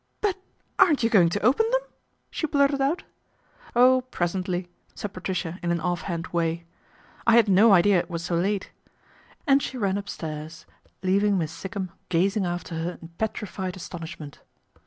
" But aren't you going to open them ?" she blurted out. " Oh ! presently," said Patricia in an off hand way, " I had no idea it was so late," and she ran upstairs, leaving Miss Sikkum gazing after her in petrified astonishment.